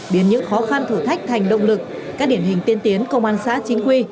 biến những khó khăn thử thách thành động lực các điển hình tiên tiến công an xã chính quy